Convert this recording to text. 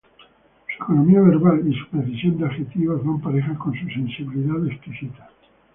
Su economía verbal y su precisión de adjetivos van parejas con su sensibilidad exquisita.